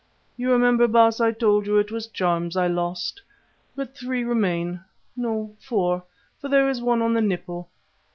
You remember, Baas, I told you it was charms I lost. But three remain; no, four, for there is one on the nipple.